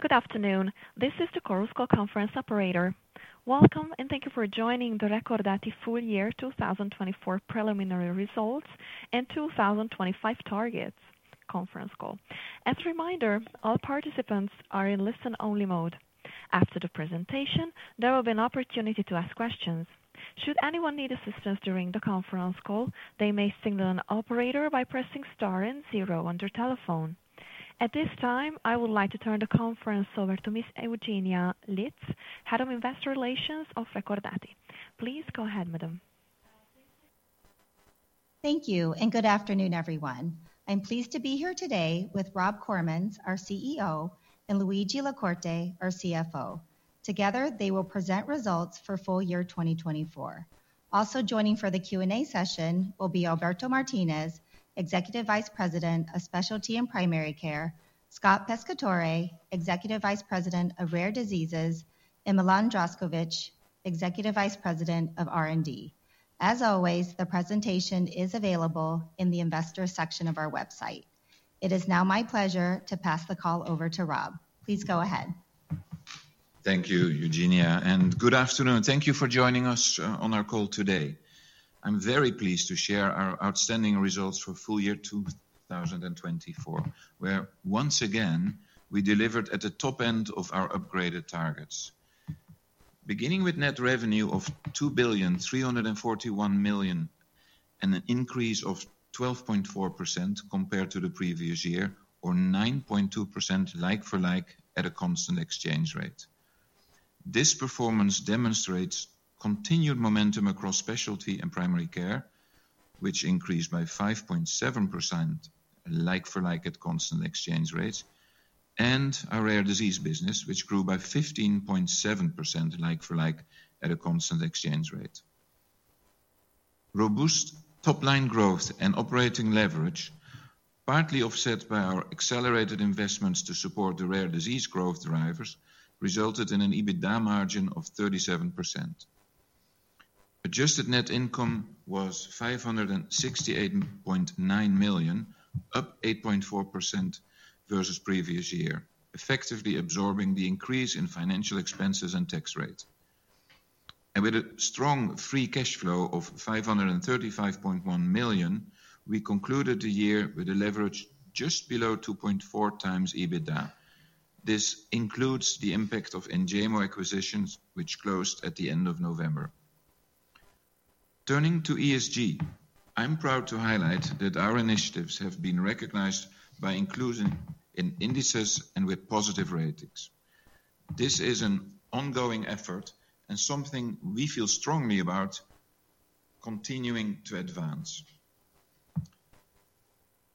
Good afternoon. This is the Chorus Call conference operator. Welcome, and thank you for joining the Recordati full year 2024 preliminary results and 2025 targets. Conference call. As a reminder, all participants are in listen-only mode. After the presentation, there will be an opportunity to ask questions. Should anyone need assistance during the conference call, they may signal an operator by pressing star and zero on their telephone. At this time, I would like to turn the conference over to Ms. Eugenia Litz, Head of Investor Relations of Recordati. Please go ahead, Madam. Thank you, and good afternoon, everyone. I'm pleased to be here today with Rob Koremans, our CEO, and Luigi La Corte, our CFO. Together, they will present results for full year 2024. Also joining for the Q&A session will be Alberto Martinez, Executive Vice President of Specialty and Primary Care; Scott Pescatore, Executive Vice President of Rare Diseases; and Milan Zdravkovic, Executive Vice President of R&D. As always, the presentation is available in the Investor section of our website. It is now my pleasure to pass the call over to Rob. Please go ahead. Thank you, Eugenia, and good afternoon. Thank you for joining us on our call today. I'm very pleased to share our outstanding results for full year 2024, where once again we delivered at the top end of our upgraded targets, beginning with net revenue of 2,341 million and an increase of 12.4% compared to the previous year, or 9.2% like-for-like at a constant exchange rate. This performance demonstrates continued momentum across specialty and primary care, which increased by 5.7% like-for-like at constant exchange rates, and our rare disease business, which grew by 15.7% like-for-like at a constant exchange rate. Robust top-line growth and operating leverage, partly offset by our accelerated investments to support the rare disease growth drivers, resulted in an EBITDA margin of 37%. Adjusted net income was 568.9 million, up 8.4% versus previous year, effectively absorbing the increase in financial expenses and tax rate. With a strong free cash flow of $535.1 million, we concluded the year with a leverage just below 2.4 times EBITDA. This includes the impact of EUSA acquisitions, which closed at the end of November. Turning to ESG, I'm proud to highlight that our initiatives have been recognized by inclusion in indices and with positive ratings. This is an ongoing effort and something we feel strongly about continuing to advance.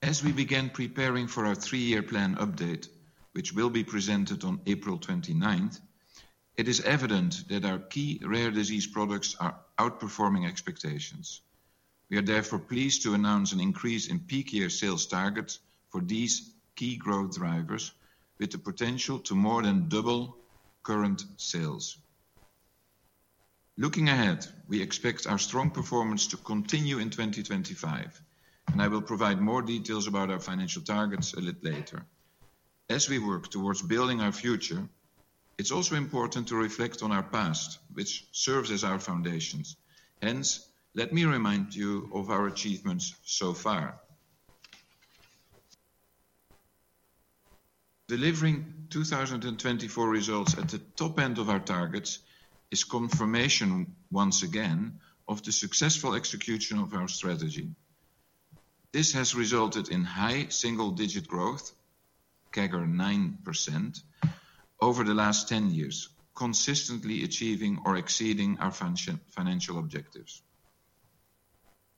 As we begin preparing for our three-year plan update, which will be presented on April 29th, it is evident that our key rare disease products are outperforming expectations. We are therefore pleased to announce an increase in peak year sales targets for these key growth drivers, with the potential to more than double current sales. Looking ahead, we expect our strong performance to continue in 2025, and I will provide more details about our financial targets a little later. As we work towards building our future, it's also important to reflect on our past, which serves as our foundations. Hence, let me remind you of our achievements so far. Delivering 2024 results at the top end of our targets is confirmation, once again, of the successful execution of our strategy. This has resulted in high single-digit growth, CAGR 9%, over the last 10 years, consistently achieving or exceeding our financial objectives.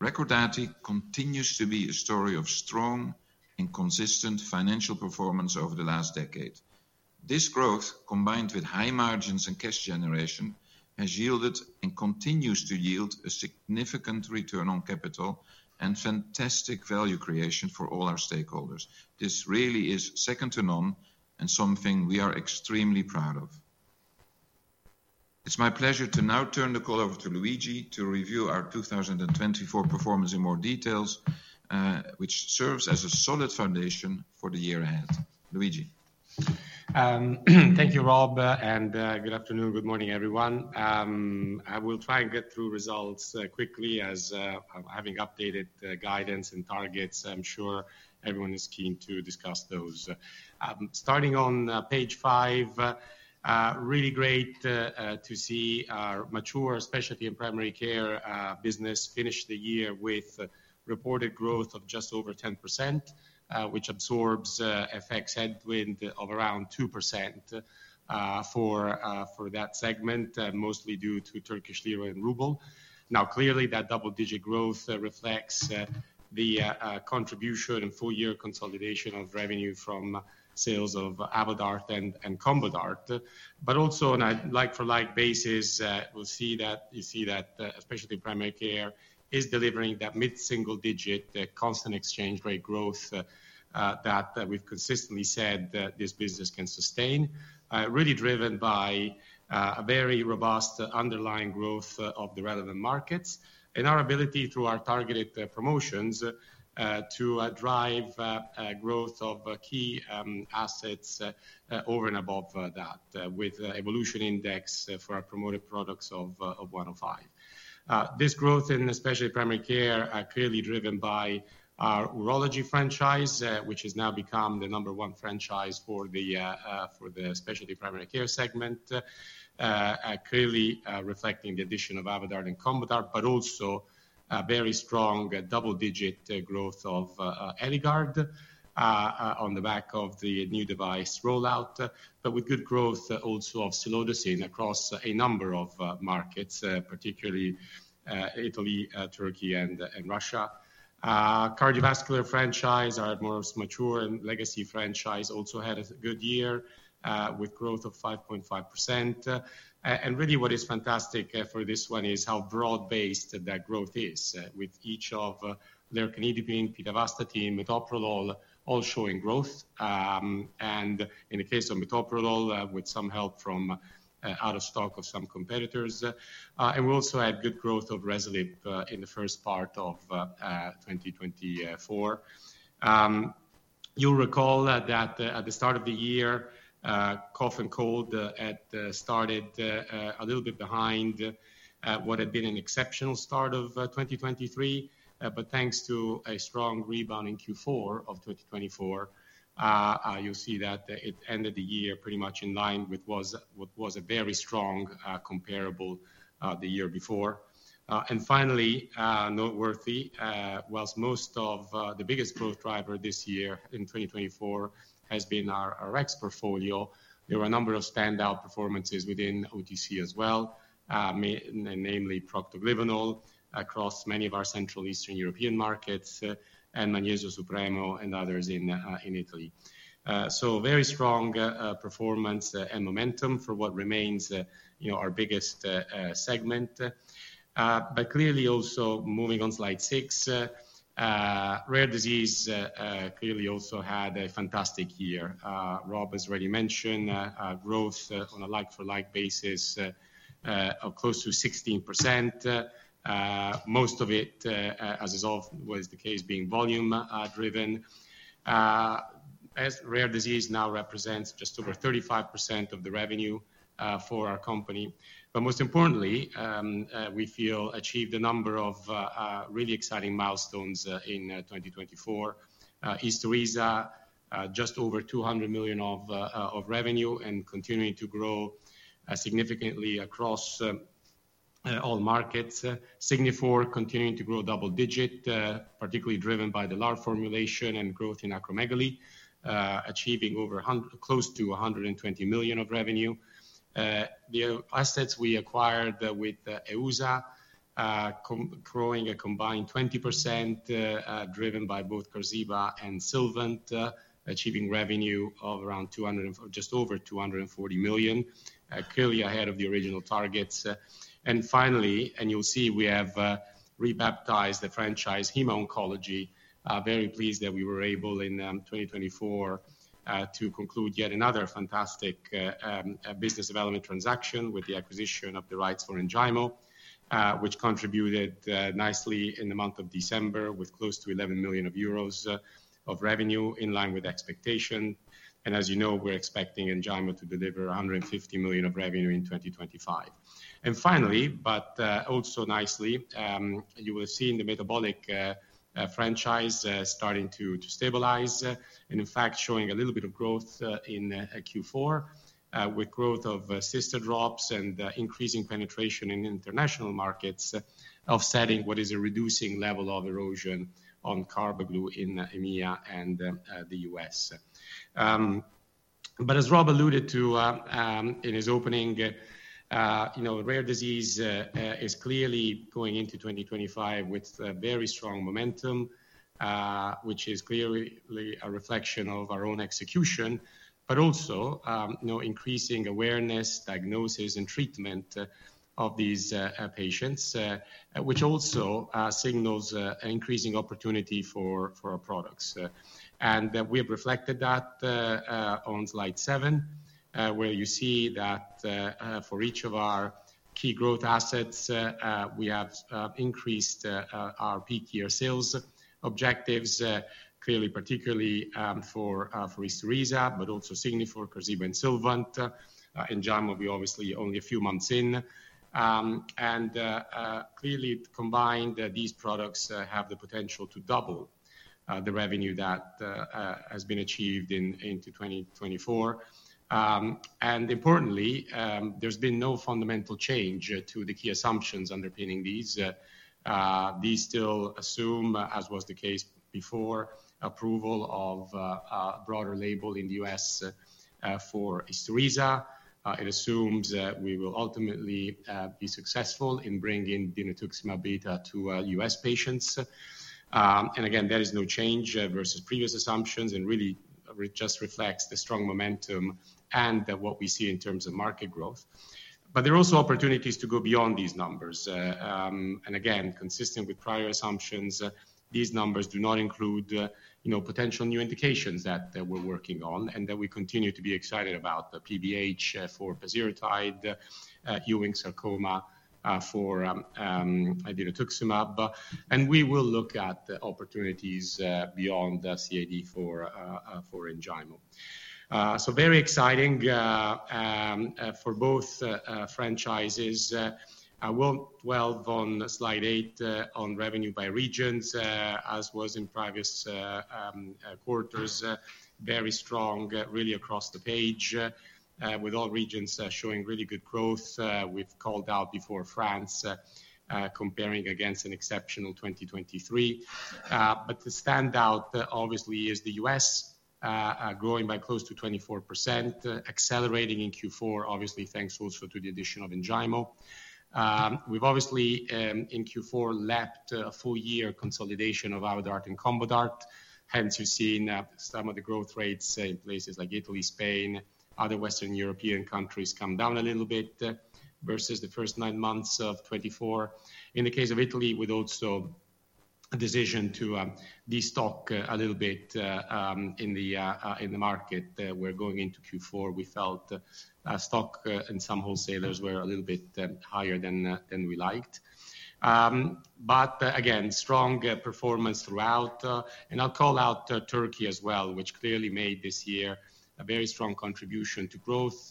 Recordati continues to be a story of strong and consistent financial performance over the last decade. This growth, combined with high margins and cash generation, has yielded and continues to yield a significant return on capital and fantastic value creation for all our stakeholders. This really is second to none and something we are extremely proud of. It's my pleasure to now turn the call over to Luigi to review our 2024 performance in more detail, which serves as a solid foundation for the year ahead. Luigi. Thank you, Rob, and good afternoon, good morning, everyone. I will try and get through results quickly as I'm having updated guidance and targets. I'm sure everyone is keen to discuss those. Starting on page five, really great to see our mature specialty and primary care business finish the year with reported growth of just over 10%, which absorbs FX headwind of around 2% for that segment, mostly due to Turkish lira and ruble. Now, clearly, that double-digit growth reflects the contribution and full-year consolidation of revenue from sales of Avodart and Combodart. But also, on a like-for-like basis, we'll see that you see that especially primary care is delivering that mid-single-digit constant exchange rate growth that we've consistently said this business can sustain, really driven by a very robust underlying growth of the relevant markets and our ability through our targeted promotions to drive growth of key assets over and above that with the evolution index for our promoted products of 105. This growth in especially primary care is clearly driven by our urology franchise, which has now become the number one franchise for the specialty primary care segment, clearly reflecting the addition of Avodart and Combodart, but also a very strong double-digit growth of Eligard on the back of the new device rollout, but with good growth also of silodosin across a number of markets, particularly Italy, Turkey, and Russia. Cardiovascular franchise, our most mature and legacy franchise, also had a good year with growth of 5.5%. And really, what is fantastic for this one is how broad-based that growth is with each of their lercanidipine, pitavastatin, metoprolol, all showing growth. And in the case of metoprolol, with some help from out of stock of some competitors. And we also had good growth of Rosulip in the first part of 2024. You'll recall that at the start of the year, cough and cold had started a little bit behind what had been an exceptional start of 2023, but thanks to a strong rebound in Q4 of 24, you'll see that it ended the year pretty much in line with what was a very strong comparable the year before. Finally, noteworthy, while most of the biggest growth driver this year in 2024 has been our Rx portfolio, there were a number of standout performances within OTC as well, namely Procto-Glyvenol across many of our Central Eastern European markets and Magnesio Supremo and others in Italy. Very strong performance and momentum for what remains our biggest segment. Clearly, also moving on slide six, rare disease clearly also had a fantastic year. Rob has already mentioned growth on a like-for-like basis of close to 16%, most of it, as is always the case, being volume-driven. Rare disease now represents just over 35% of the revenue for our company. Most importantly, we feel achieved a number of really exciting milestones in 2024. Isturisa, just over 200 million of revenue and continuing to grow significantly across all markets. Significantly continuing to grow double-digit, particularly driven by the LAR formulation and growth in acromegaly, achieving close to 120 million of revenue. The assets we acquired with EUSA, growing a combined 20%, driven by both Qarziba and Sylvant, achieving revenue of around just over 240 million, clearly ahead of the original targets. And finally, and you'll see we have rebaptized the franchise Hema Oncology. Very pleased that we were able in 2024 to conclude yet another fantastic business development transaction with the acquisition of the rights for Enjaymo, which contributed nicely in the month of December with close to 11 million of euros of revenue in line with expectation. And as you know, we're expecting Enjaymo to deliver 150 million of revenue in 2025. Finally, but also nicely, you will see the metabolic franchise starting to stabilize and in fact showing a little bit of growth in Q4 with growth of Cystadrops and increasing penetration in international markets, offsetting what is a reducing level of erosion on Carbaglu in EMEA and the U.S. As Rob alluded to in his opening, rare disease is clearly going into 2025 with very strong momentum, which is clearly a reflection of our own execution, but also increasing awareness, diagnosis, and treatment of these patients, which also signals an increasing opportunity for our products. We have reflected that on slide seven, where you see that for each of our key growth assets, we have increased our peak year sales objectives, clearly particularly for Isturisa, but also Signifor, Qarziba and Sylvant. Enjaymo will be obviously only a few months in. Clearly, combined, these products have the potential to double the revenue that has been achieved into 2024. Importantly, there's been no fundamental change to the key assumptions underpinning these. These still assume, as was the case before, approval of a broader label in the U.S. for Isturisa. It assumes that we will ultimately be successful in bringing dinutuximab to U.S. patients. Again, there is no change versus previous assumptions and really just reflects the strong momentum and what we see in terms of market growth. There are also opportunities to go beyond these numbers. Again, consistent with prior assumptions, these numbers do not include potential new indications that we're working on and that we continue to be excited about the PBH for pasireotide, Ewing sarcoma for dinutuximab. We will look at opportunities beyond CAD for Enjaymo. Very exciting for both franchises. I will dwell on slide eight on revenue by regions, as was in previous quarters, very strong really across the page with all regions showing really good growth. We've called out before France comparing against an exceptional 2023. But the standout obviously is the U.S. growing by close to 24%, accelerating in Q4, obviously thanks also to the addition of Enjaymo. We've obviously in Q4 left a full-year consolidation of Avodart and Combodart. Hence, you've seen some of the growth rates in places like Italy, Spain, other Western European countries come down a little bit versus the first nine months of 24. In the case of Italy, with also a decision to destock a little bit in the market, we're going into Q4, we felt stock in some wholesalers were a little bit higher than we liked. But again, strong performance throughout. I'll call out Turkey as well, which clearly made this year a very strong contribution to growth,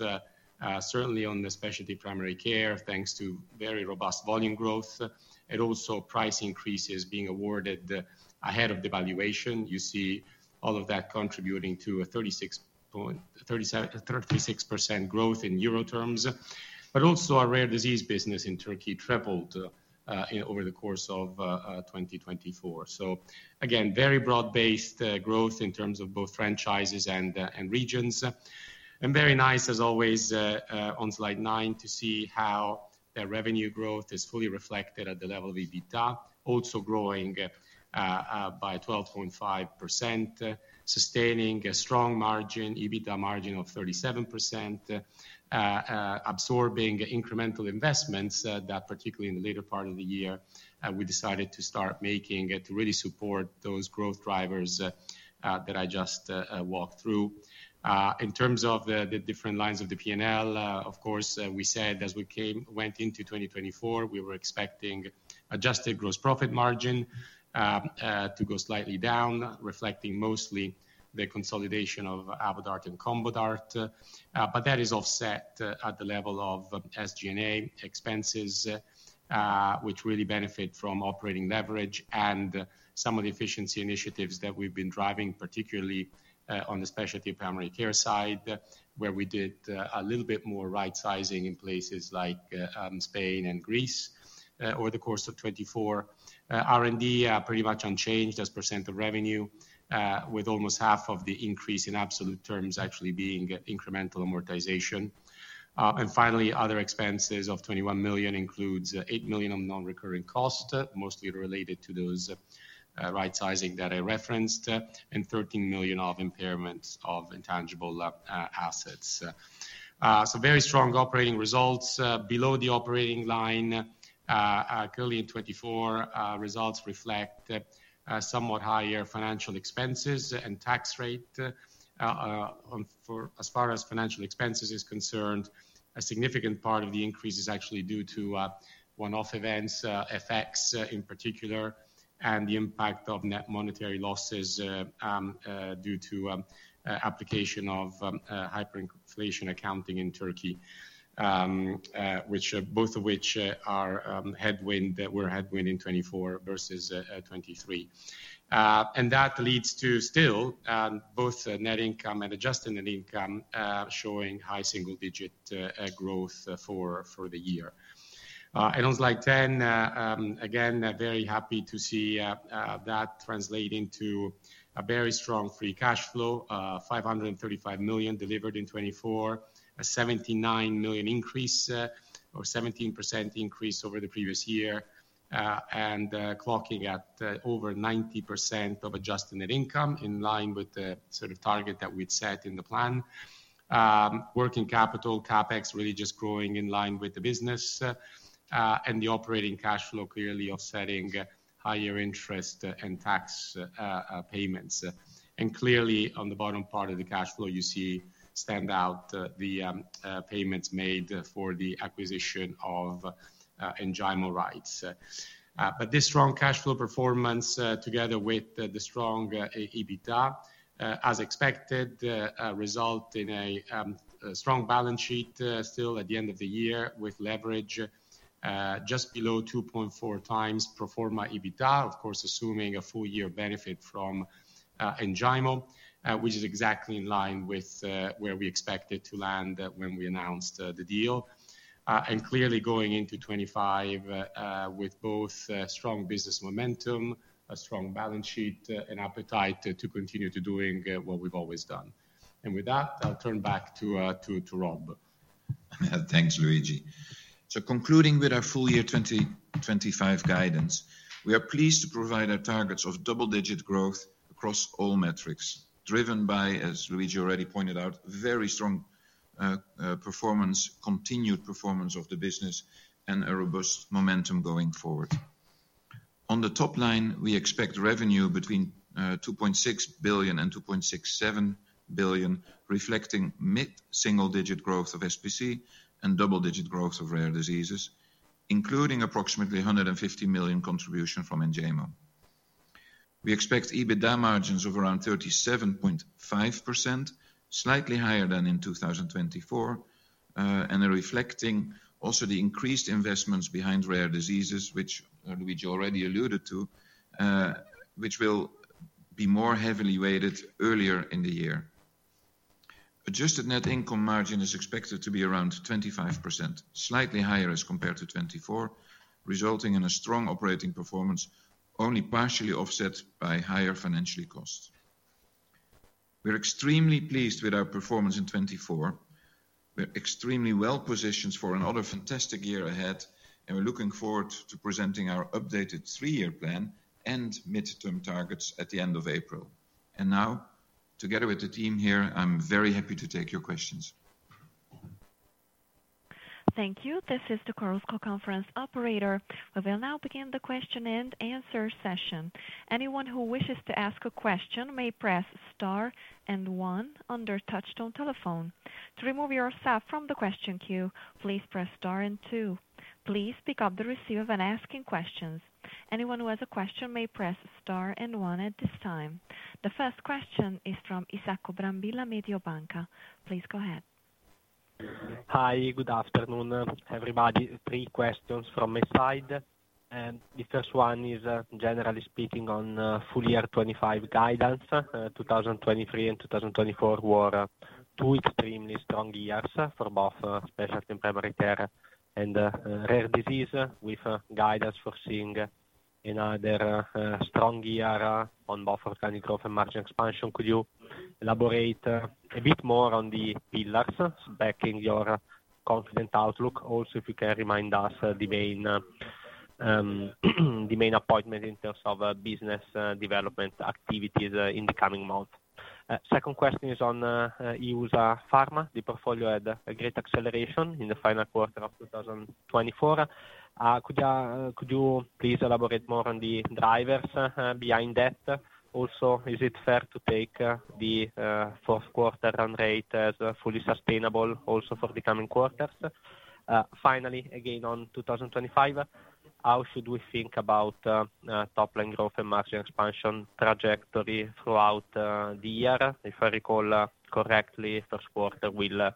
certainly on the specialty primary care, thanks to very robust volume growth and also price increases being awarded ahead of the inflation. You see all of that contributing to a 36% growth in euro terms, but also our rare disease business in Turkey thrived over the course of 2024. So again, very broad-based growth in terms of both franchises and regions. And very nice, as always, on slide nine to see how that revenue growth is fully reflected at the level of EBITDA, also growing by 12.5%, sustaining a strong margin, EBITDA margin of 37%, absorbing incremental investments that particularly in the later part of the year, we decided to start making to really support those growth drivers that I just walked through. In terms of the different lines of the P&L, of course, we said as we went into 2024, we were expecting adjusted gross profit margin to go slightly down, reflecting mostly the consolidation of Avodart and Combodart. But that is offset at the level of SG&A expenses, which really benefit from operating leverage and some of the efficiency initiatives that we've been driving, particularly on the specialty primary care side, where we did a little bit more right-sizing in places like Spain and Greece over the course of 24. R&D pretty much unchanged as % of revenue, with almost half of the increase in absolute terms actually being incremental amortization. And finally, other expenses of 21 million includes 8 million of non-recurring costs, mostly related to those right-sizing that I referenced, and 13 million of impairment of intangible assets. So very strong operating results. Below the operating line, clearly in 24, results reflect somewhat higher financial expenses and tax rate. As far as financial expenses is concerned, a significant part of the increase is actually due to one-off events, FX in particular, and the impact of net monetary losses due to application of hyperinflation accounting in Turkey, both of which were headwind in 24 versus 23. That leads to still both net income and adjusted net income showing high single-digit growth for the year. On slide 10, again, very happy to see that translate into a very strong free cash flow, 535 million delivered in 24, a 79 million increase or 17% increase over the previous year, and clocking at over 90% of adjusted net income in line with the sort of target that we'd set in the plan. Working capital, CapEx, really just growing in line with the business and the operating cash flow, clearly offsetting higher interest and tax payments. And clearly on the bottom part of the cash flow, you see stand out the payments made for the acquisition of Enjaymo rights. But this strong cash flow performance together with the strong EBITDA, as expected, result in a strong balance sheet still at the end of the year with leverage just below 2.4 times pro forma EBITDA, of course, assuming a full-year benefit from Enjaymo. Which is exactly in line with where we expected to land when we announced the deal. And clearly going into 25 with both strong business momentum, a strong balance sheet, and appetite to continue to doing what we've always done. And with that, I'll turn back to Rob. Thanks, Luigi. Concluding with our full-year 2025 guidance, we are pleased to provide our targets of double-digit growth across all metrics, driven by, as Luigi already pointed out, very strong performance, continued performance of the business, and a robust momentum going forward. On the top line, we expect revenue between 2.6 billion and 2.67 billion, reflecting mid-single-digit growth of SPC and double-digit growth of rare diseases, including approximately 150 million contribution from Enjaymo. We expect EBITDA margins of around 37.5%, slightly higher than in 2024, and reflecting also the increased investments behind rare diseases, which Luigi already alluded to, which will be more heavily weighted earlier in the year. Adjusted net income margin is expected to be around 25%, slightly higher as compared to 24, resulting in a strong operating performance only partially offset by higher financial costs. We're extremely pleased with our performance in 24. We're extremely well positioned for another fantastic year ahead, and we're looking forward to presenting our updated three-year plan and midterm targets at the end of April. And now, together with the team here, I'm very happy to take your questions. Thank you. This is the Chorus Call conference operator. We will now begin the question and answer session. Anyone who wishes to ask a question may press star and one under Touch-Tone telephone. To remove yourself from the question queue, please press star and two. Please pick up the receiver when asking questions. Anyone who has a question may press star and one at this time. The first question is from Isacco Brambilla, Mediobanca. Please go ahead. Hi, good afternoon, everybody. Three questions from my side. The first one is generally speaking on full-year 2025 guidance. 2023 and 2024 were two extremely strong years for both specialty and primary care and rare disease, with guidance for seeing another strong year on both organic growth and margin expansion. Could you elaborate a bit more on the pillars backing your confident outlook? Also, if you can remind us the main appointment in terms of business development activities in the coming month. Second question is on EUSA Pharma, the portfolio had a great acceleration in the final quarter of 2024. Could you please elaborate more on the drivers behind that? Also, is it fair to take the fourth quarter run rate as fully sustainable also for the coming quarters? Finally, again on 2025, how should we think about top-line growth and margin expansion trajectory throughout the year? If I recall correctly, first quarter will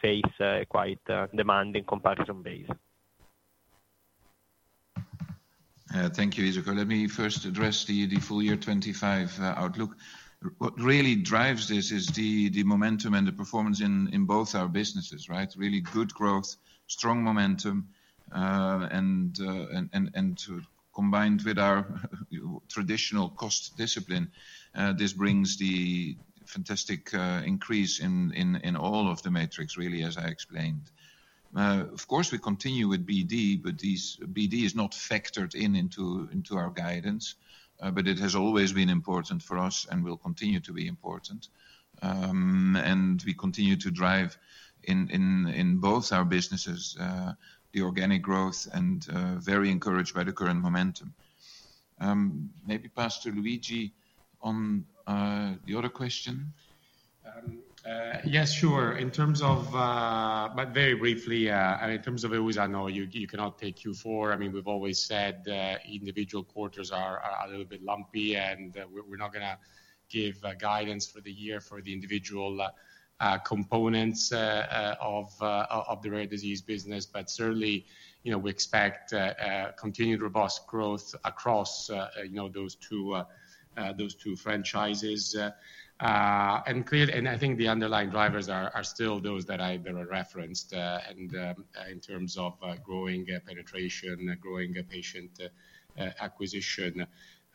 face quite demanding comparison base. Thank you, Isacco. Let me first address the full-year 25 outlook. What really drives this is the momentum and the performance in both our businesses, right? Really good growth, strong momentum, and combined with our traditional cost discipline, this brings the fantastic increase in all of the metrics, really, as I explained. Of course, we continue with BD, but BD is not factored into our guidance, but it has always been important for us and will continue to be important. We continue to drive in both our businesses the organic growth and very encouraged by the current momentum. Maybe our CFO, Luigi on the other question. Yes, sure. In terms of, but very briefly, in terms of EUSA, no, you cannot take Q4. I mean, we've always said individual quarters are a little bit lumpy, and we're not going to give guidance for the year for the individual components of the rare disease business. But certainly, we expect continued robust growth across those two franchises. And I think the underlying drivers are still those that are referenced in terms of growing penetration, growing patient acquisition.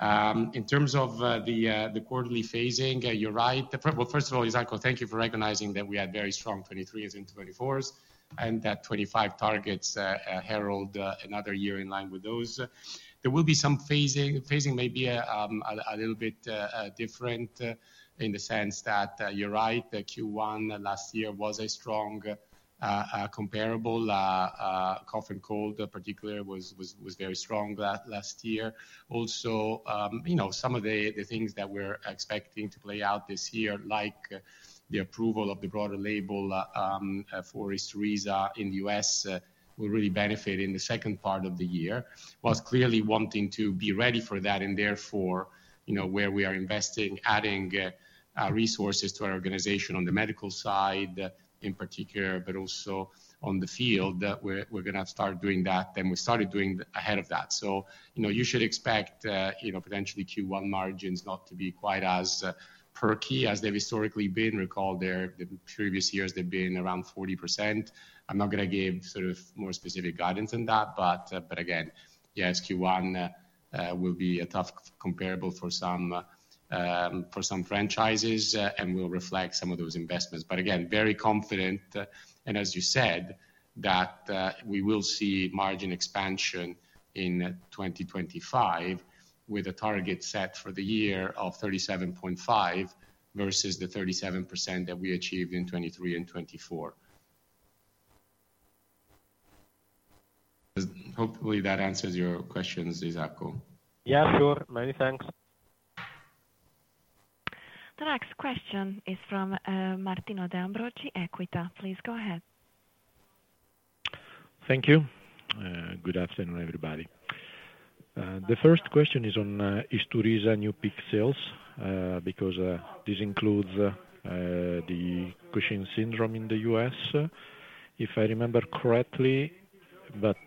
In terms of the quarterly phasing, you're right. Well, first of all, Isacco, thank you for recognizing that we had very strong 23s and 24s and that 25 targets herald another year in line with those. There will be some phasing. Phasing may be a little bit different in the sense that you're right, Q1 last year was a strong comparable cough and cold, particularly was very strong last year. Also, some of the things that we're expecting to play out this year, like the approval of the broader label for Isturisa in the U.S., will really benefit in the second part of the year. While clearly wanting to be ready for that and therefore where we are investing, adding resources to our organization on the medical side in particular, but also on the field, we're going to start doing that. And we started doing ahead of that. So you should expect potentially Q1 margins not to be quite as perky as they've historically been. Recall the previous years, they've been around 40%. I'm not going to give sort of more specific guidance on that, but again, yes, Q1 will be a tough comparable for some franchises and will reflect some of those investments. But again, very confident. And as you said, that we will see margin expansion in 2025 with a target set for the year of 37.5% versus the 37% that we achieved in 23 and 24. Hopefully that answers your questions, Isacco. Yeah, sure. Many thanks. The next question is from Martino De Ambroggi, Equita. Please go ahead. Thank you. Good afternoon, everybody. The first question is on Isturisa new peak sales because this includes the Cushing's syndrome in the U.S., if I remember correctly, but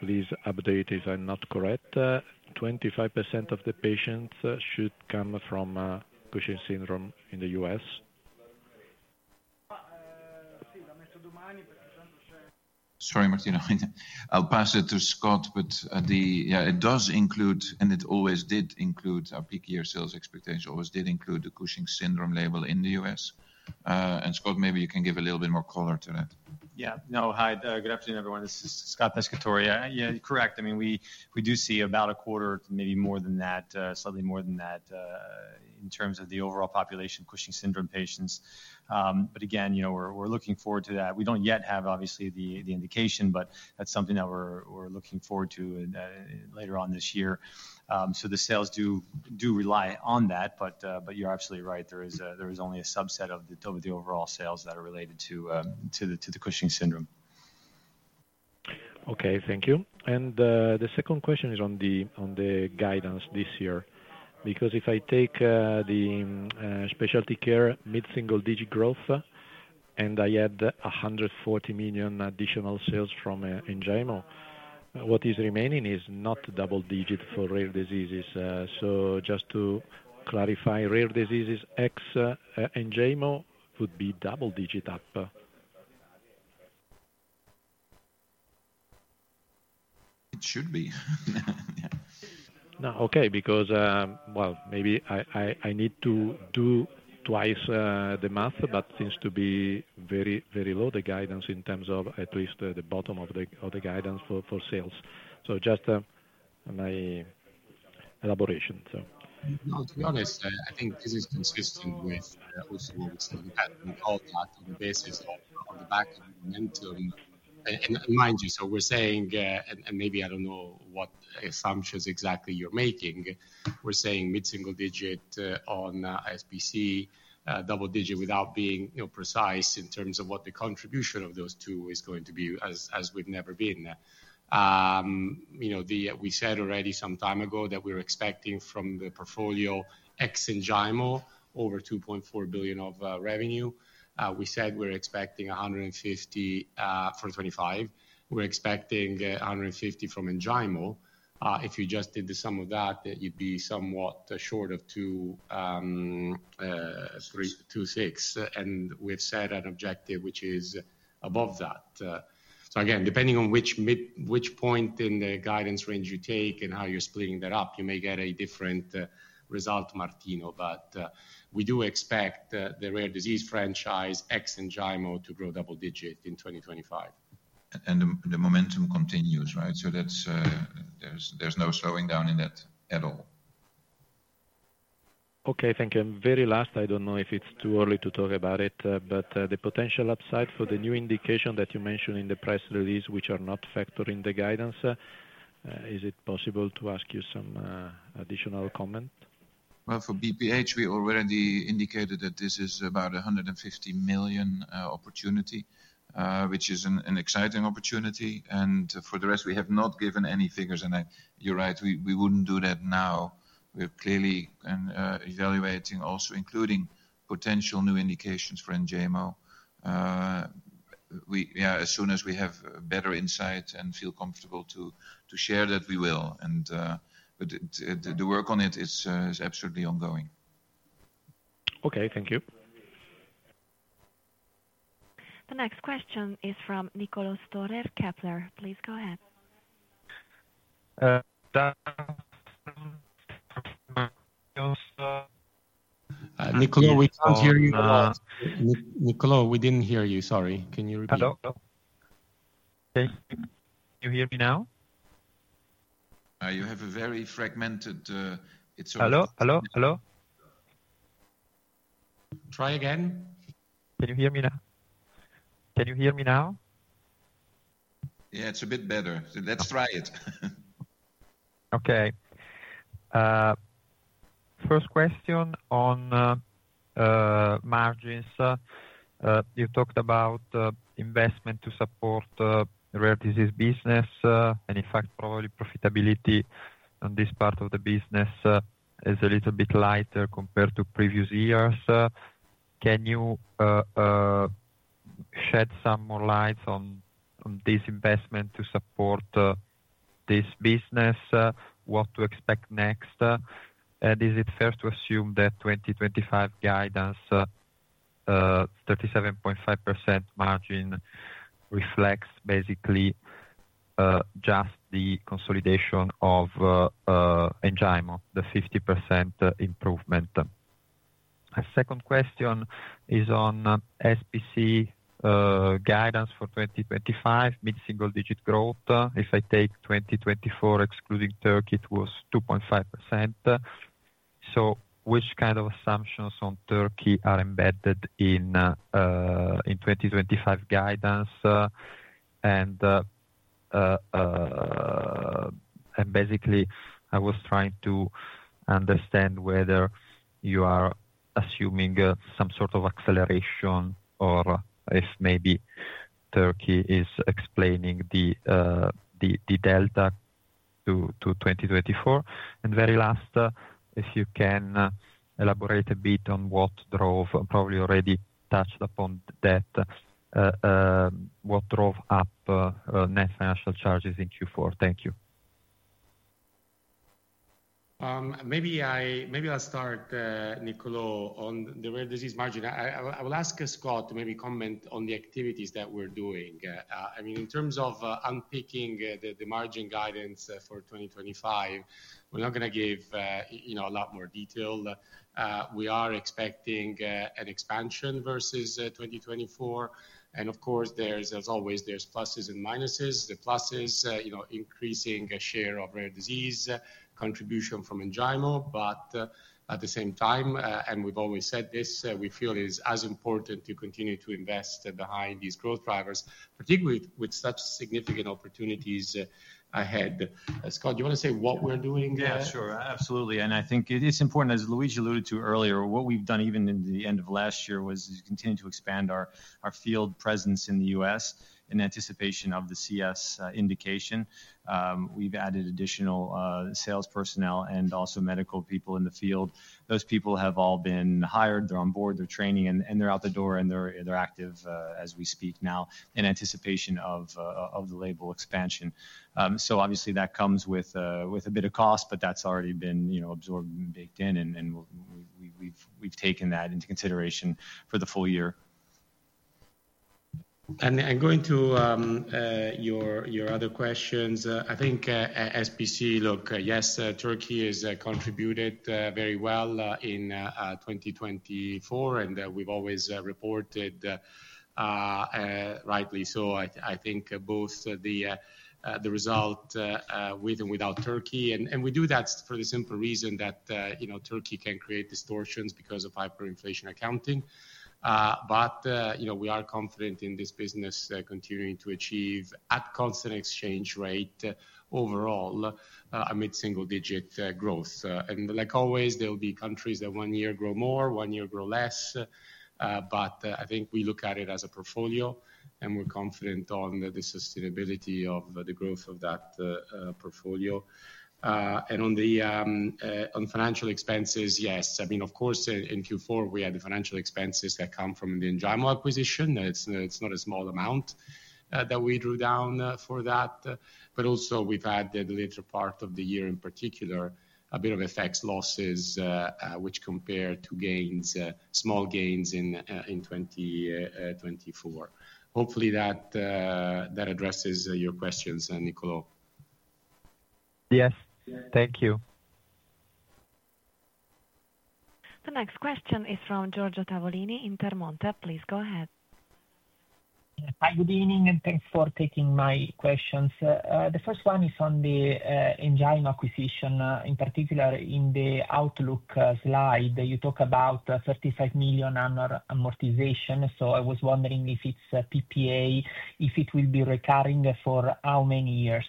please update if I'm not correct. 25% of the patients should come from Cushing's syndrome in the U.S. Sorry, Martino. I'll pass it to Scott, but yeah, it does include, and it always did include, our peak year sales expectation always did include the Cushing's syndrome label in the U.S. And Scott, maybe you can give a little bit more color to that. Yeah. No, hi. Good afternoon, everyone. This is Scott Pescatore. Yeah, correct. I mean, we do see about a quarter, maybe more than that, slightly more than that in terms of the overall population Cushing's syndrome patients. But again, we're looking forward to that. We don't yet have, obviously, the indication, but that's something that we're looking forward to later on this year. So the sales do rely on that, but you're absolutely right. There is only a subset of the overall sales that are related to the Cushing's syndrome. Okay, thank you. And the second question is on the guidance this year. Because if I take the specialty care mid-single-digit growth and I add 140 million additional sales from Enjaymo, what is remaining is not double-digit for rare diseases. So just to clarify, rare diseases ex Enjaymo would be double-digit up. It should be. Yeah. No, okay, because, well, maybe I need to do twice the math, but seems to be very, very low the guidance in terms of at least the bottom of the guidance for sales. So just my elaboration, so. No, to be honest, I think this is consistent with also what we said at the beginning. All that on the basis of the build-up momentum. And mind you, so we're saying, and maybe I don't know what assumptions exactly you're making, we're saying mid-single-digit on SPC, double-digit without being precise in terms of what the contribution of those two is going to be as we've never been. We said already some time ago that we're expecting from the portfolio ex Enjaymo over 2.4 billion of revenue. We said we're expecting 150 for 2025. We're expecting 150 from Enjaymo. If you just did the sum of that, you'd be somewhat short of 2.6. And we've set an objective which is above that. So again, depending on which point in the guidance range you take and how you're splitting that up, you may get a different result, Martino, but we do expect the rare disease franchise ex Enjaymo to grow double-digit in 2025. And the momentum continues, right? So there's no slowing down in that at all. Okay, thank you. And very last, I don't know if it's too early to talk about it, but the potential upside for the new indication that you mentioned in the press release, which are not factored in the guidance, is it possible to ask you some additional comment? Well, for BPH, we already indicated that this is about 150 million opportunity, which is an exciting opportunity. And for the rest, we have not given any figures. And you're right, we wouldn't do that now. We're clearly evaluating also including potential new indications for Enjaymo. Yeah, as soon as we have better insight and feel comfortable to share that, we will. And the work on it is absolutely ongoing. Okay, thank you. The next question is from Nicolò Storer, Kepler. Please go ahead. Nicolò, we can't hear you. Nicolò, we didn't hear you. Sorry. Can you repeat? Hello? Can you hear me now? You have a very fragmented. It's a little bit. Hello, hello, hello. Try again. Can you hear me now? Can you hear me now? Yeah, it's a bit better. Let's try it. Okay. First question on margins. You talked about investment to support rare disease business, and in fact, probably profitability on this part of the business is a little bit lighter compared to previous years. Can you shed some more light on this investment to support this business? What to expect next? And is it fair to assume that 2025 guidance, 37.5% margin reflects basically just the consolidation of Enjaymo, the 50% improvement? Second question is on SPC guidance for 2025, mid-single-digit growth. If I take 2024, excluding Turkey, it was 2.5%. So which kind of assumptions on Turkey are embedded in 2025 guidance? And basically, I was trying to understand whether you are assuming some sort of acceleration or if maybe Turkey is explaining the delta to 2024. And very last, if you can elaborate a bit on what drove, probably already touched upon that, what drove up net financial charges in Q4. Thank you. Maybe I'll start, Nicolò, on the rare disease margin. I will ask Scott to maybe comment on the activities that we're doing. I mean, in terms of unpicking the margin guidance for 2025, we're not going to give a lot more detail. We are expecting an expansion versus 2024. And of course, there are always pluses and minuses. The pluses, increasing share of rare disease, contribution from Enjaymo, but at the same time, and we've always said this, we feel it is as important to continue to invest behind these growth drivers, particularly with such significant opportunities ahead. Scott, do you want to say what we're doing? Yeah, sure. Absolutely. And I think it's important, as Luigi alluded to earlier, what we've done even in the end of last year was continue to expand our field presence in the US in anticipation of the CS indication. We've added additional sales personnel and also medical people in the field. Those people have all been hired. They're on board. They're training, and they're out the door, and they're active as we speak now in anticipation of the label expansion. So obviously, that comes with a bit of cost, but that's already been absorbed and baked in, and we've taken that into consideration for the full year, and going to your other questions, I think SPC, look, yes, Turkey has contributed very well in 2024, and we've always reported rightly. So I think both the result with and without Turkey, and we do that for the simple reason that Turkey can create distortions because of hyperinflation accounting. But we are confident in this business continuing to achieve at constant exchange rate overall a mid-single-digit growth. And like always, there will be countries that one year grow more, one year grow less. But I think we look at it as a portfolio, and we're confident on the sustainability of the growth of that portfolio. And on financial expenses, yes. I mean, of course, in Q4, we had the financial expenses that come from the Enjaymo acquisition. It's not a small amount that we drew down for that. But also, we've had the later part of the year in particular, a bit of FX losses, which compared to gains, small gains in 2024. Hopefully, that addresses your questions, Nicolò. Yes. Thank you. The next question is from Giorgio Tavolini at Intermonte. Please go ahead. Hi, good evening, and thanks for taking my questions. The first one is on the Enjaymo acquisition, in particular in the Outlook slide, you talk about 35 million amortization. I was wondering if it's PPA, if it will be recurring for how many years.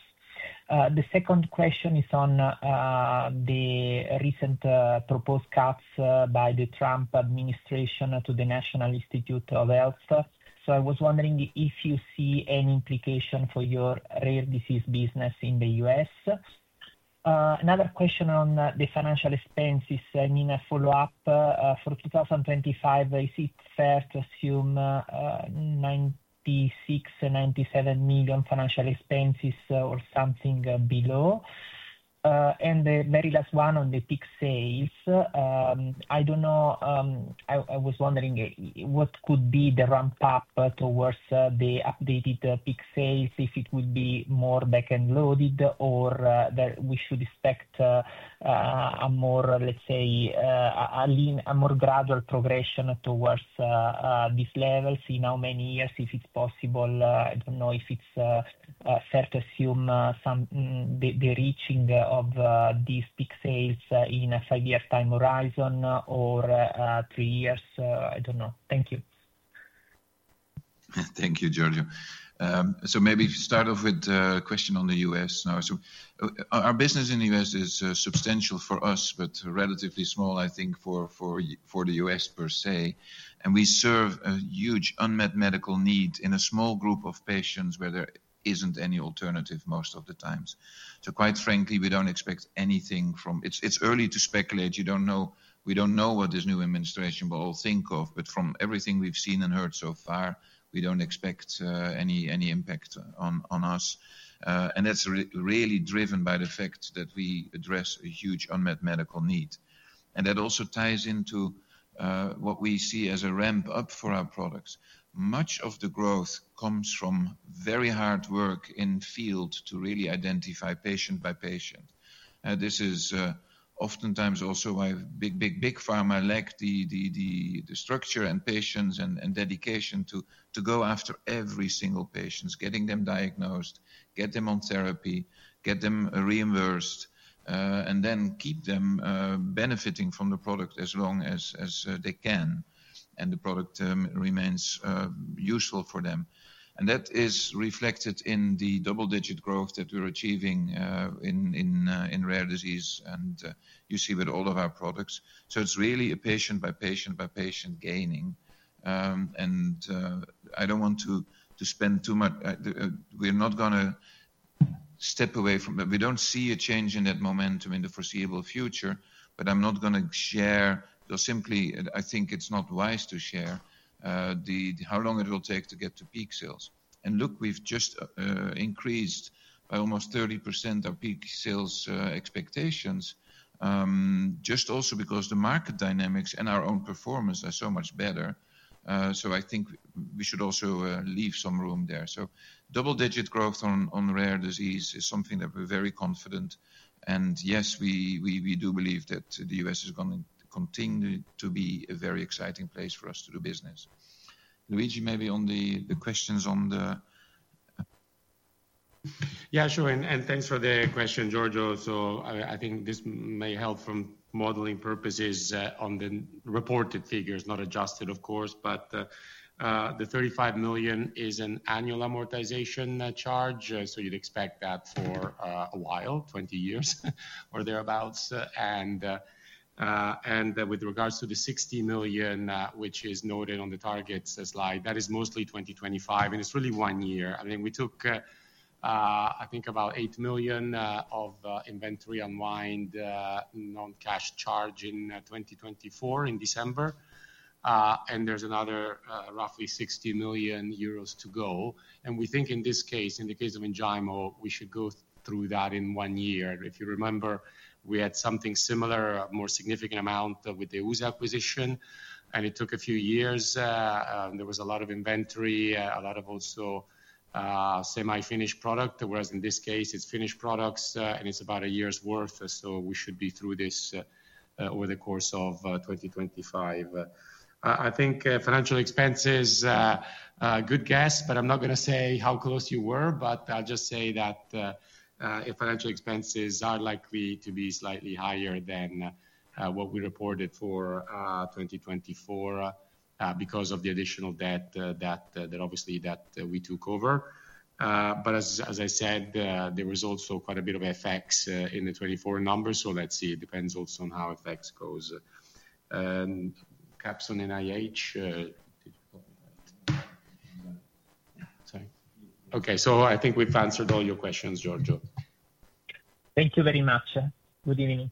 The second question is on the recent proposed cuts by the Trump administration to the National Institutes of Health. I was wondering if you see any implication for your rare disease business in the US. Another question on the financial expenses, I mean, a follow-up for 2025, is it fair to assume 96 million-97 million financial expenses or something below? The very last one on the PICC sales, I don't know, I was wondering what could be the ramp-up towards the updated PICC sales, if it would be more back-end loaded or that we should expect a more, let's say, a more gradual progression towards these levels in how many years, if it's possible. I don't know if it's fair to assume the reaching of these peak sales in a five-year time horizon or three years. I don't know. Thank you. Thank you, Giorgio. So maybe start off with a question on the U.S. now. So our business in the U.S. is substantial for us, but relatively small, I think, for the U.S. per se. And we serve a huge unmet medical need in a small group of patients where there isn't any alternative most of the times. So quite frankly, we don't expect anything from it. It's early to speculate. We don't know what this new administration will at all think of, but from everything we've seen and heard so far, we don't expect any impact on us. And that's really driven by the fact that we address a huge unmet medical need. And that also ties into what we see as a ramp-up for our products. Much of the growth comes from very hard work in field to really identify patient by patient. This is oftentimes also why big, big, big pharma lack the structure and patience and dedication to go after every single patient, getting them diagnosed, get them on therapy, get them reimbursed, and then keep them benefiting from the product as long as they can, and the product remains useful for them. And that is reflected in the double-digit growth that we're achieving in rare disease, and you see with all of our products. So it's really a patient by patient by patient gaining. And I don't want to spend too much. We're not going to step away from that. We don't see a change in that momentum in the foreseeable future, but I'm not going to share. I think it's not wise to share how long it will take to get to peak sales. Look, we've just increased by almost 30% our peak sales expectations just also because the market dynamics and our own performance are so much better. I think we should also leave some room there. Double-digit growth on rare disease is something that we're very confident. Yes, we do believe that the U.S. is going to continue to be a very exciting place for us to do business. Luigi, maybe on the questions on the. Yeah, sure. Thanks for the question, Giorgio. I think this may help from modeling purposes on the reported figures, not adjusted, of course. But the 35 million is an annual amortization charge. You'd expect that for a while, 20 years or thereabouts. With regards to the 60 million, which is noted on the target slide, that is mostly 2025, and it's really one year. I mean, we took, I think, about 8 million of inventory unwind non-cash charge in 2024 in December. And there's another roughly 60 million euros to go. And we think in this case, in the case of Enjaymo, we should go through that in one year. If you remember, we had something similar, a more significant amount with the EUSA acquisition, and it took a few years. There was a lot of inventory, a lot of also semi-finished product, whereas in this case, it's finished products, and it's about a year's worth. So we should be through this over the course of 2025. I think financial expenses, good guess, but I'm not going to say how close you were, but I'll just say that financial expenses are likely to be slightly higher than what we reported for 2024 because of the additional debt that obviously we took over. But as I said, there was also quite a bit of effects in the 24 numbers. So let's see. It depends also on how effects goes. So I think we've answered all your questions, Giorgio. Thank you very much. Good evening.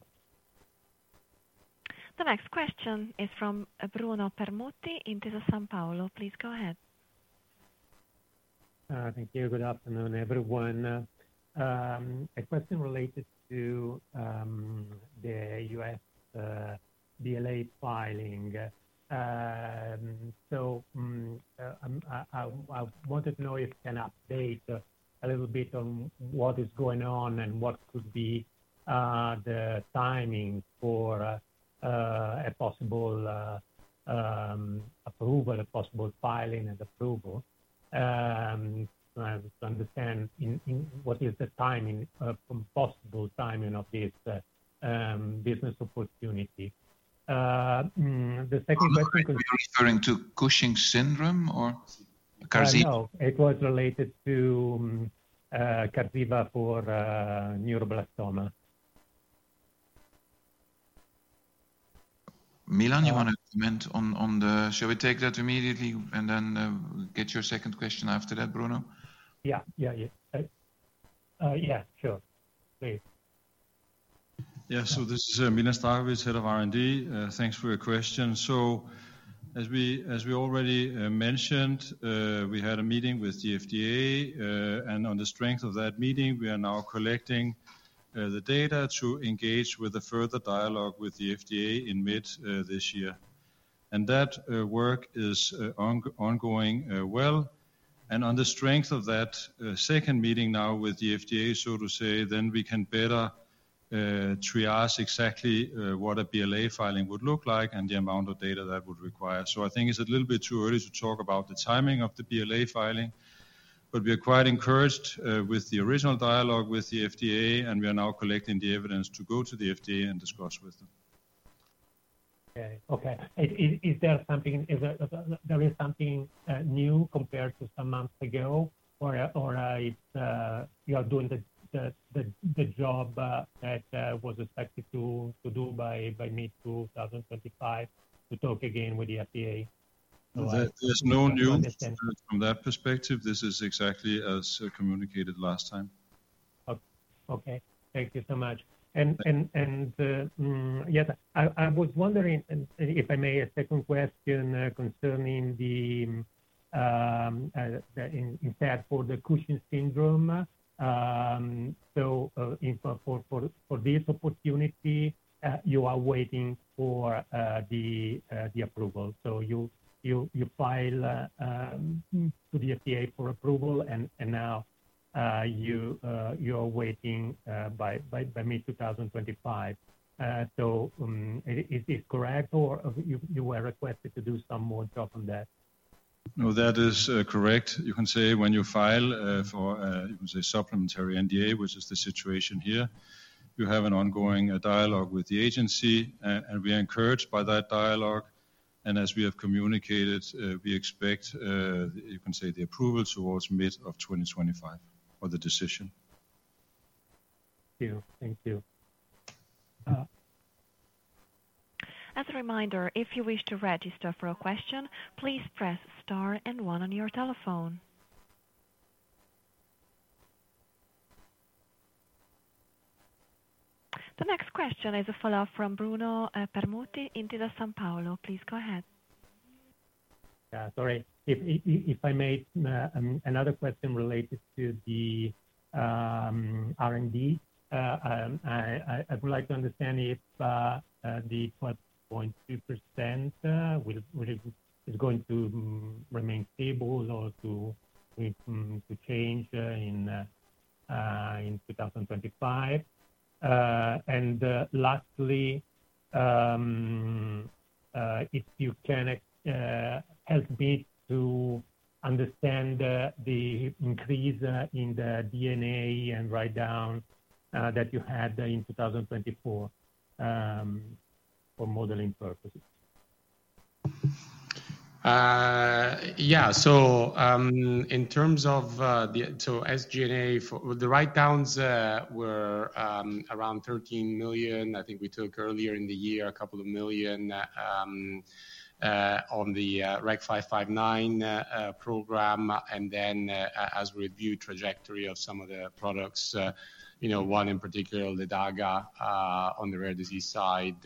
The next question is from Bruno Permutti in Intesa Sanpaolo. Please go ahead. Thank you. Good afternoon, everyone. A question related to the U.S. BLA filing. So I wanted to know if you can update a little bit on what is going on and what could be the timing for a possible approval, a possible filing and approval. To understand what is the possible timing of this business opportunity. The second question concerns. Referring to Cushing's syndrome or Qarziba? No. It was related to Qarziba for neuroblastoma. Milan, you want to comment on the? Shall we take that immediately and then get your second question after that, Bruno? Yeah. Yeah. Yeah. Yeah. Sure. Please. Yeah. So this is Milan Zdravkovic, head of R&D. Thanks for your question. So as we already mentioned, we had a meeting with the FDA, and on the strength of that meeting, we are now collecting the data to engage with a further dialogue with the FDA in mid this year. And that work is ongoing well. And on the strength of that second meeting now with the FDA, so to say, then we can better triage exactly what a BLA filing would look like and the amount of data that would require. So I think it's a little bit too early to talk about the timing of the BLA filing, but we are quite encouraged with the original dialogue with the FDA, and we are now collecting the evidence to go to the FDA and discuss with them. Okay. Okay. Is there something? Is there? There is something new compared to some months ago or you are doing the job that was expected to do by mid 2025 to talk again with the FDA? There's no news from that perspective. This is exactly as communicated last time. Okay. Thank you so much. And yet, I was wondering if I may ask a question concerning the impact for the Cushing's syndrome. So for this opportunity, you are waiting for the approval. So you file to the FDA for approval, and now you are waiting by mid 2025. So is it correct or you were requested to do some more job on that? No, that is correct. You can say when you file for, you can say, supplementary NDA, which is the situation here, you have an ongoing dialogue with the agency, and we are encouraged by that dialogue. And as we have communicated, we expect, you can say, the approval towards mid of 2025 for the decision. Thank you. Thank you. As a reminder, if you wish to register for a question, please press star and one on your telephone. The next question is a follow-up from Bruno Permutti in Intesa Sanpaolo. Please go ahead. Yeah. Sorry. If I may, another question related to the R&D. I would like to understand if the 12.2% is going to remain stable or to change in 2025. Lastly, if you can help me to understand the increase in the SG&A and write-down that you had in 2024 for modeling purposes? Yeah. So in terms of SG&A, the write-downs were around 13 million. I think we took earlier in the year 2 million on the REC 0559 program. And then as we reviewed trajectory of some of the products, one in particular, the Carbaglu on the rare disease side,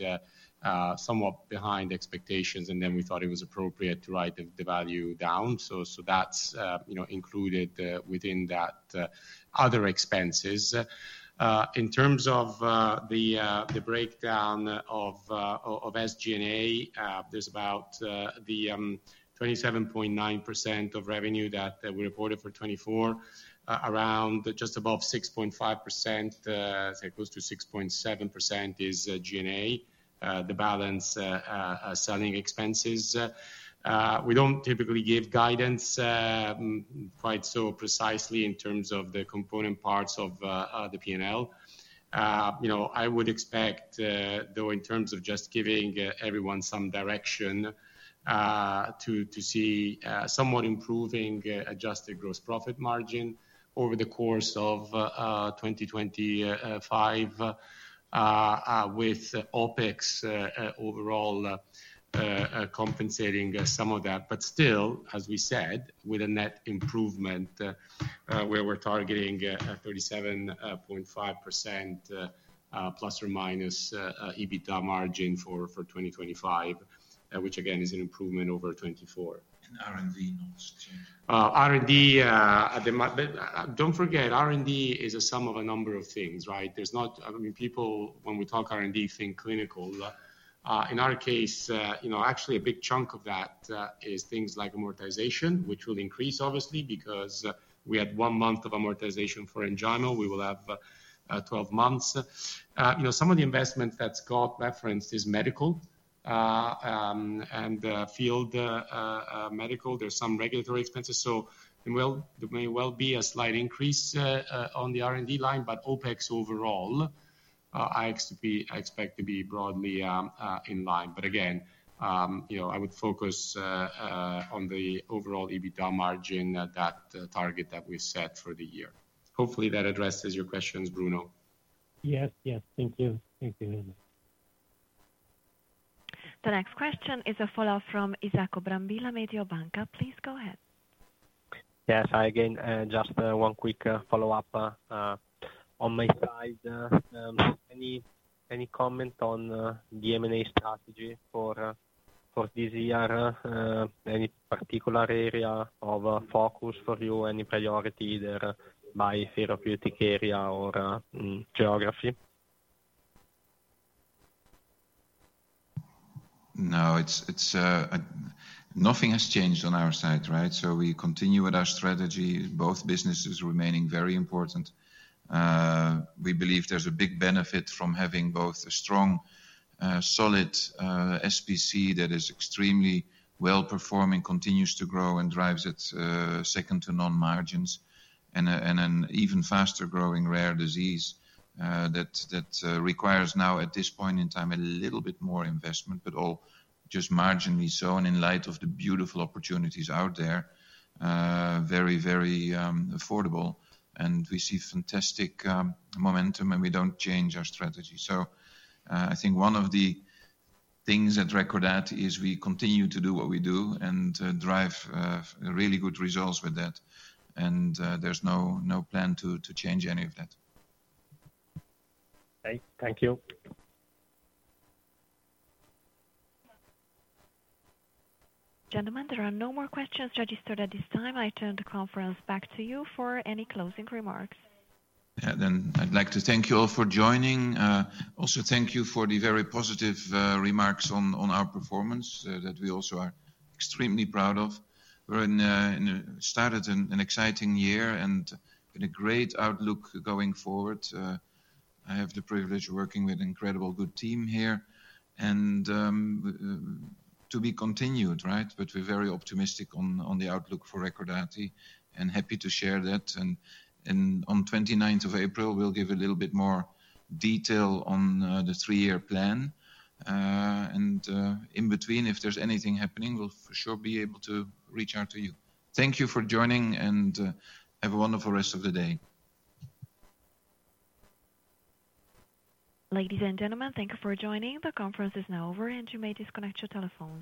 somewhat behind expectations. And then we thought it was appropriate to write the value down. So that's included within that other expenses. In terms of the breakdown of SG&A, that's about the 27.9% of revenue that we reported for 24, around just above 6.5%, close to 6.7% is G&A, the balance selling expenses. We don't typically give guidance quite so precisely in terms of the component parts of the P&L. I would expect, though, in terms of just giving everyone some direction to see somewhat improving adjusted gross profit margin over the course of 2025 with OpEx overall compensating some of that. But still, as we said, with a net improvement where we're targeting 37.5% plus or minus EBITDA margin for 2025, which again is an improvement over 24, and R&D notes. R&D, don't forget, R&D is a sum of a number of things, right? I mean, people, when we talk R&D, think clinical. In our case, actually a big chunk of that is things like amortization, which will increase, obviously, because we had one month of amortization for Enjaymo. We will have 12 months. Some of the investment that's got referenced is medical and field medical. There's some regulatory expenses. So there may well be a slight increase on the R&D line, but OPEX overall, I expect to be broadly in line. But again, I would focus on the overall EBITDA margin, that target that we've set for the year. Hopefully, that addresses your questions, Bruno. Yes. Yes. Thank you. Thank you. The next question is a follow-up from Isacco Brambilla, Mediobanca. Please go ahead. Yes. Hi, again. Just one quick follow-up. On my side, any comment on the M&A strategy for this year? Any particular area of focus for you? Any priority there by therapeutic area or geography? No. Nothing has changed on our side, right? So we continue with our strategy. Both businesses remaining very important. We believe there's a big benefit from having both a strong, solid SPC that is extremely well-performing, continues to grow, and drives at second-to-none margins, and an even faster-growing rare disease that requires now, at this point in time, a little bit more investment, but all just marginally so in light of the beautiful opportunities out there, very, very affordable. And we see fantastic momentum, and we don't change our strategy. So I think one of the things at Recordati is we continue to do what we do and drive really good results with that. And there's no plan to change any of that. Thank you. Gentlemen, there are no more questions registered at this time. I turn the conference back to you for any closing remarks. Yeah. Then I'd like to thank you all for joining. Also, thank you for the very positive remarks on our performance that we also are extremely proud of. We started an exciting year and a great outlook going forward. I have the privilege of working with an incredible good team here, and to be continued, right, but we're very optimistic on the outlook for Recordati and happy to share that, and on 29th of April, we'll give a little bit more detail on the three-year plan, and in between, if there's anything happening, we'll for sure be able to reach out to you. Thank you for joining and have a wonderful rest of the day. Ladies and gentlemen, thank you for joining. The conference is now over, and you may disconnect your telephone.